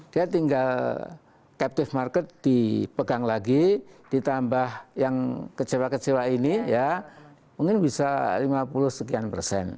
dia tinggal captive market dipegang lagi ditambah yang kecewa kecewa ini ya mungkin bisa lima puluh sekian persen